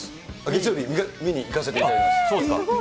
月曜日、見に行かせていただきます。